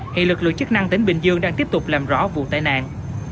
hiện lực lượng chức năng tỉnh bình dương đang tiếp tục làm rõ vụ tai nạn